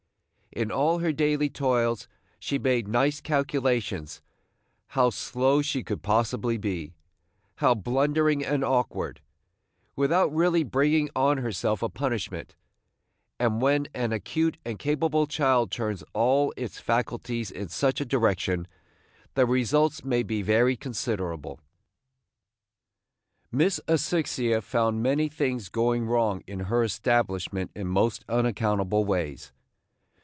In all her daily toils she made nice calculations how slow she could possibly be, how blundering and awkward, without really bringing on herself a punishment; and when an acute and capable child turns all its faculties in such a direction, the results may be very considerable. Miss Asphyxia found many things going wrong in her establishment in most unaccountable ways.